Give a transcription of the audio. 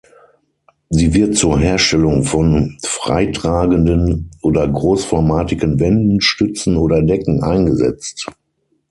Sie wird zur Herstellung von freitragenden oder großformatigen Wänden, Stützen oder Decken eingesetzt.